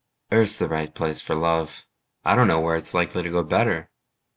Earth's the right place for love: I don't know where it's likely to go better.